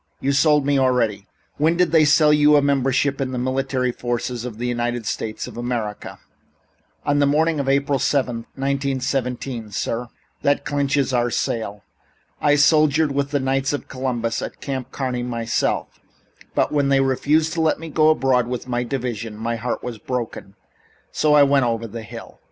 You've sold me already. When did they sell you a membership in the military forces of the United States of America?" "On the morning of April 7th, 1917, sir." "That clinches our sale. I soldiered with the Knights of Columbus at Camp Kearny myself, but when they refused to let me go abroad with my division my heart was broken, so I went over the hill."